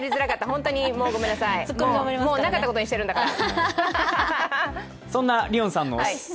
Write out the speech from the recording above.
本当にもう、ごめんなさい、もうなかったことにしてるんだから。